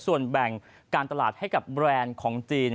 ส่วนแบ่งการตลาดให้กับแบรนด์ของจีน